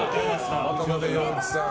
渡部陽一さん。